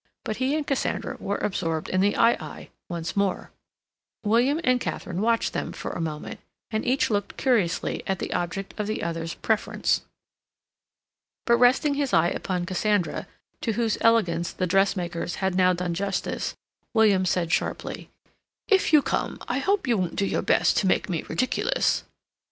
But he and Cassandra were absorbed in the aye aye once more. William and Katharine watched them for a moment, and each looked curiously at the object of the other's preference. But resting his eye upon Cassandra, to whose elegance the dressmakers had now done justice, William said sharply: "If you come, I hope you won't do your best to make me ridiculous."